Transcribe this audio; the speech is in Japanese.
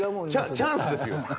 チャンスですよ。